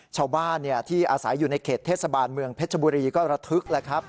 ชาวบ้านที่อาศัยอยู่ในเขตเทศบาลเมืองเพชรบุรีก็ระทึกแล้วครับ